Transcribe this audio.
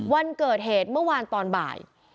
วันเกิดเหตุเมื่อวานตอนบ่าย